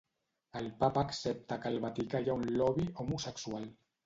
El Papa accepta que al Vaticà hi ha un 'lobby' homosexual.